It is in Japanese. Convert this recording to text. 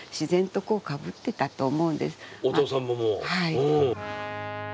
はい。